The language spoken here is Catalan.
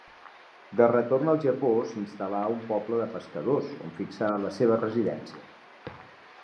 De retorn al Japó, s'instal·là en un poble de pescadors, on fixà la seva residència.